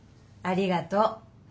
ありがとう。